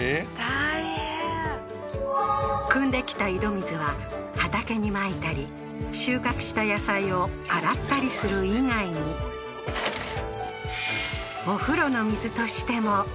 大変くんできた井戸水は畑に撒いたり収穫した野菜を洗ったりする以外にええー